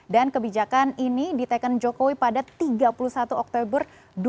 dan kebijakan ini ditaikan jokowi pada tiga puluh satu oktober dua ribu dua puluh tiga